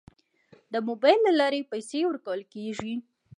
د موبایل له لارې پیسې ورکول کیږي.